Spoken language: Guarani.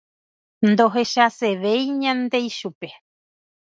Ndohechasevéindaje ichupe.